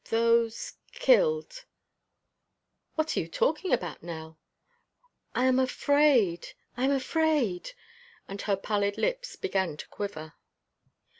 "Those killed." "What are you talking about, Nell?" "I am afraid! I am afraid!" And her pallid lips began to quiver.